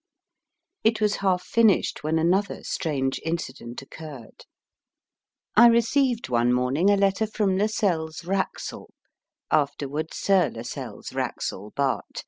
It was half finished when another strange incident occurred. I received one morning a letter from Lascelles Wraxall (afterwards Sir Lascelles Wraxall, Bart.